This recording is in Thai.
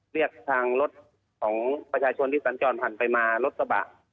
เรียกทางรถของประชาชนที่สัญจรผ่านไปมารถกระบะ